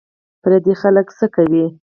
پردي خلک څه کوې